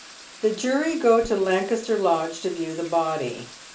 The jury go to Lancaster Lodge to view the body.